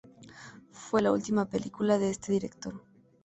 Fue la última película de este director.